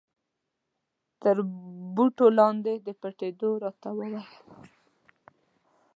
تر بوټو لاندې د پټېدو را ته و ویل.